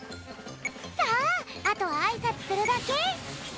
さああとはあいさつするだけ。